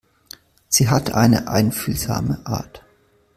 Sie hat eine einfühlsame Art.